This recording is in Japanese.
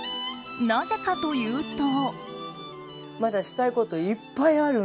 なぜかというと。